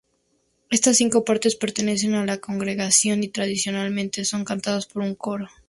Estas cinco partes pertenecen a la congregación y tradicionalmente, son cantadas por un coro.